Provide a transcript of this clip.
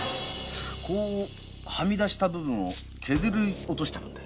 はみ出した部分を削り落としたんだ。